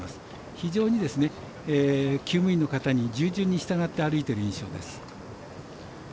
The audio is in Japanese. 非常に、きゅう務員の方に従順に従って歩いている印象です。